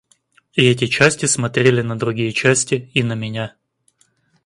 И эти части смотрели на другие части и на меня.